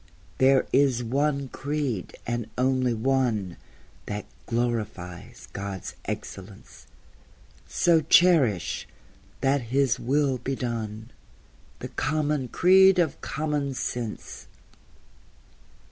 There is one creed, and only one, That glorifies God's excellence; So cherish, that His will be done, The common creed of common sense.